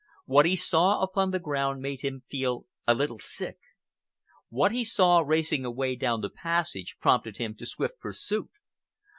What he saw upon the ground made him feel a little sick. What he saw racing away down the passage prompted him to swift pursuit.